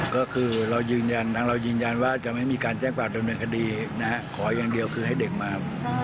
ก็คือเรายืนยันทั้งเรายืนยันว่าจะไม่มีการแจ้งความดำเนินคดีนะฮะขออย่างเดียวคือให้เด็กมา